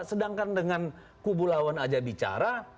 sedangkan dengan kubu lawan aja bicara